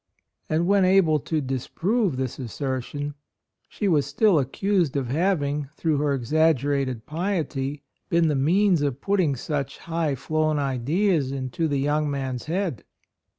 And when able to disprove this as sertion, she was still accused of having, through her exag gerated piety, been the means of putting such high flown ideas into the young man's head.